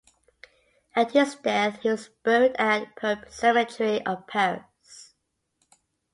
At his death, he was buried at Pope cemetery of Paris.